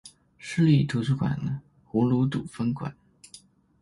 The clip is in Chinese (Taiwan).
市立圖書館葫蘆堵分館